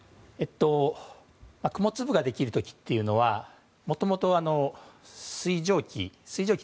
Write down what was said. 雲粒ができる時というのはもともと、水蒸気。